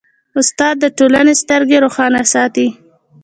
استاد د ټولنې سترګې روښانه ساتي.